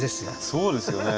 そうですよね。